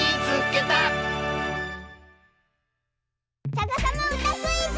「さかさまうたクイズ」！